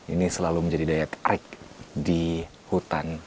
ini selalu menjadi daya tarik di hutan